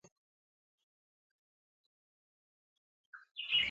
You are not made wise by experience, I hope?